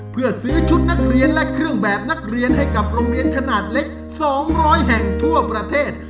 เพื่อซื้อชุดนักเรียนและเครื่องแบบนักเรียนให้กับโรงเรียนขนาดเล็ก๒๐๐แห่งทั่วประเทศ